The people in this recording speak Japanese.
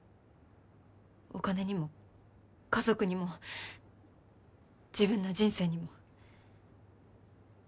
お金にも家族にも自分の人生にも。